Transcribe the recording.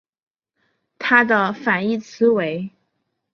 它的反义词为。